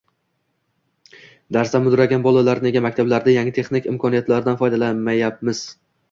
Darsda mudragan bolalar – nega maktablarda yangi texnik imkoniyatlardan foydalanmayapmiz?